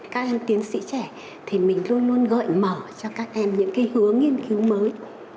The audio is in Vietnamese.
các em tiến sĩ trẻ thì mình luôn luôn gợi mở cho các em những cái hướng nghiên cứu mới